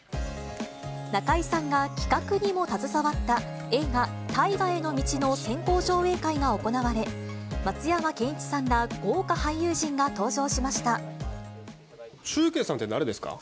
中井さんが企画にも携わった映画、大河への道の先行上映会が行われ、松山ケンイチさんら豪華俳優陣がちゅうけいさんって誰ですか？